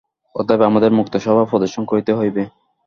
অতএব আমাদের মুক্ত-স্বভাব প্রদর্শন করিতে হইবে।